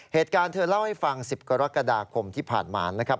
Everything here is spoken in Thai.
เหตุการณ์เธอเล่าให้ฟัง๑๐กรกฎาคมที่ผ่านมานะครับ